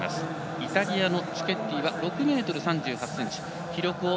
イタリアのチケッティ６ｍ３８ｃｍ。